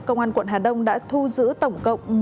công an quận hà đông đã thu giữ tổng cộng